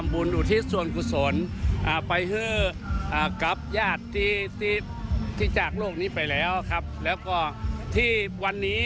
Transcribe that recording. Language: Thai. ฮิลาจากโลกนี้ไปแล้วนั่นเองครับ